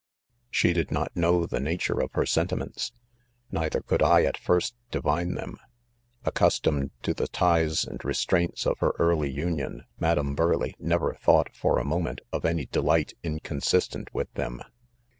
She did not know the nature of her senti ments, neither could I at first divine them. — Accustomed to the ties and restraints of her early union, Madam Burleigh never thought, for a moment, of any delight inconsistent with them.